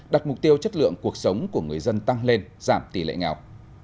đặt mục tiêu chất lượng cuộc sống của người dân tăng lên giảm tỷ lệ nghèo